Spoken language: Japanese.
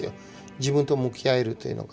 自分と向き合えるというのが。